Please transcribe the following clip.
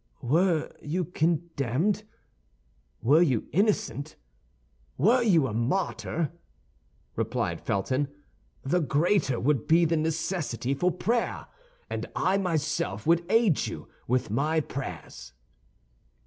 "Were you condemned, were you innocent, were you a martyr," replied Felton, "the greater would be the necessity for prayer; and I myself would aid you with my prayers."